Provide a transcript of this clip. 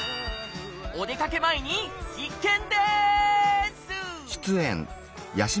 お出かけ前に必見です！